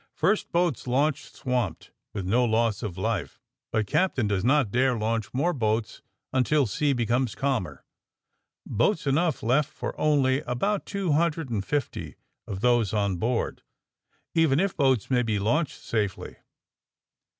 First boats launched swamped, with no loss of life, but captain does not dare launch more boats un til sea becomes calmer. Boats enough left for only about two hundred and fifty of those on board, even if boats may be launched safely.